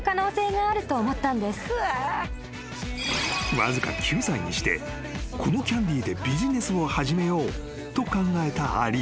［わずか９歳にしてこのキャンディーでビジネスを始めようと考えたアリーナ］